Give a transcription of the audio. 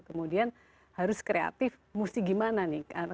kemudian harus kreatif mesti gimana nih